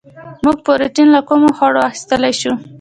موږ پروټین له کومو خوړو اخیستلی شو